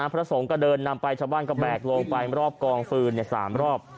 พระสงฆ์ก็เดินนำไปชาวบ้านก็แบกลงไปรอบกองฟืน๓รอบ